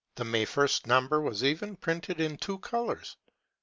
The May 1st number was even printed in two colours.